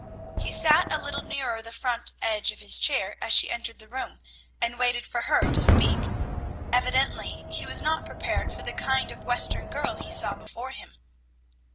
He sat a little nearer the front edge of his chair as she entered the room, and waited for her to speak. Evidently he was not prepared for the kind of Western girl he saw before him.